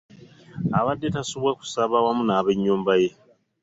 Abadde tasubwa kusaba awamu n'ab'ennyumba ye